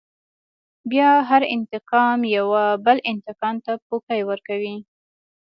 بيا هر انتقام يوه بل انتقام ته پوکی ورکوي.